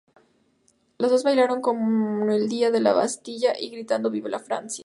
Las dos bailaron con el Día de la Bastilla y gritando "Vive la Francia".